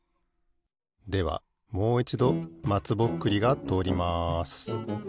ではもういちどまつぼっくりがとおります。